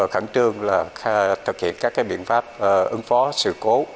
khẳng trương là thực hiện các biện pháp ứng phó sự cố